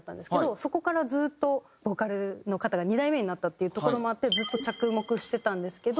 そこからずっとボーカルの方が２代目になったっていうところもあってずっと着目してたんですけど。